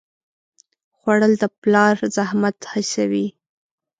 خوړل د پلار زحمت حسوي